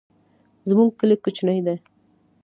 زمونږ کلی کوچنی دی